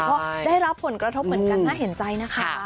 ก็ได้รับผลกระทบเหมือนกันน่าเห็นใจนะคะ